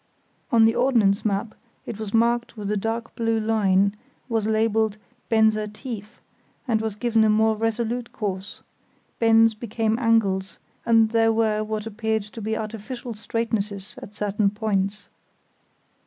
On the ordnance map it was marked with a dark blue line, was labelled "Benser Tief", and was given a more resolute course; bends became angles, and there were what appeared to be artificial straightnesses at certain points.